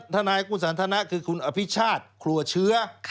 ทนายกูสันทนะคือคุณอภิชาติครัวเชื้อ